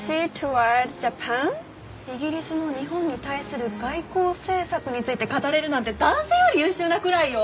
イギリスの日本に対する外交政策について語れるなんて男性より優秀なくらいよ！